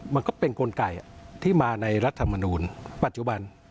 มันก็เป็นกลไกที่มาในรัฐมนูลปัจจุบัน